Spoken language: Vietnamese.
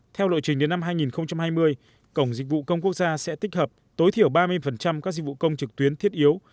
theo lộ trình đến năm hai nghìn hai mươi cổng dịch vụ công quốc gia sẽ tích hợp tối thiểu ba mươi các dịch vụ công trực tuyến thiết yếu